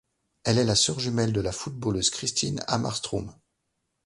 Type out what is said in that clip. Elle est la sœur jumelle de la footballeuse Kristin Hammarström.